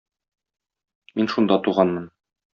Мин шунда туганмын.